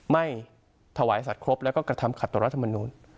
ไม่ถวายอาศัพท์ครบและก็กระทำขัดตัวรัฐมนุญ